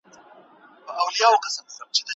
ډېرو محصلینو د ساحوي مطالعې پر مهال ستونزي تجربه کړې.